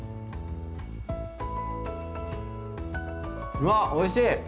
うわっおいしい！